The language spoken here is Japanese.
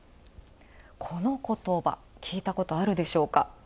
この言葉、聞いたこと、あるでしょうか。